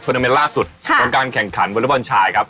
ทวนาเมนต์ล่าสุดค่ะของการแข่งขันวนธบรรชายครับ